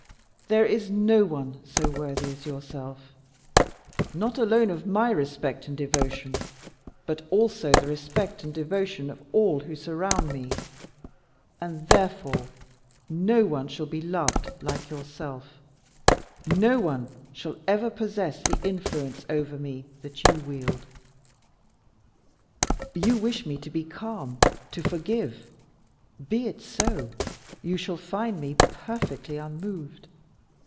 There is no one so worthy as yourself, not alone of my respect and devotion, but also of the respect and devotion of all who surround me; and therefore no one shall be loved like yourself; no one shall ever possess the influence over me that you wield. You wish me to be calm, to forgive? be it so, you shall find me perfectly unmoved.